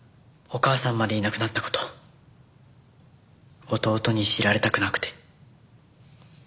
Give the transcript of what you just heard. お母さんまでいなくなった事弟に知られたくなくて。